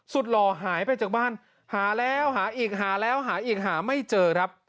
หล่อหายไปจากบ้านหาแล้วหาอีกหาแล้วหาอีกหาไม่เจอครับ